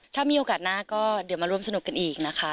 ถ้ามีโอกาสหน้าก็เดี๋ยวมาร่วมสนุกกันอีกนะคะ